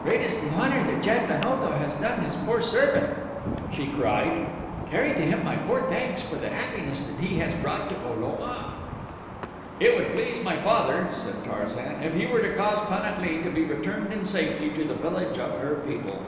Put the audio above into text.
"Great is the honor that Jad ben Otho has done his poor servant," she cried. "Carry to him my poor thanks for the happiness that he has brought to O lo a." "It would please my father," said Tarzan, "if you were to cause Pan at lee to be returned in safety to the village of her people."